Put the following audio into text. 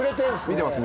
見てます。